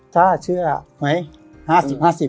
ถ้าเชื่อไหมห้าสิบ๕๐